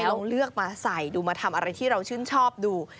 ลองเลือกมาใส่ดูมาทำอะไรที่เราชื่นชอบดู